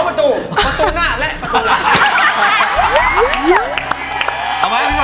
ประตูหน้าและประตูล่ะ